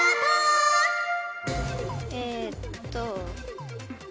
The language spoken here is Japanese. えっと。